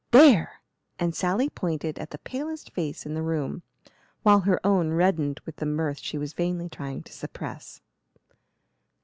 "There!" and Sally pointed at the palest face in the room, while her own reddened with the mirth she was vainly trying to suppress.